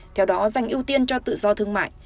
theo đó dành ưu tiên cho tự do thương mại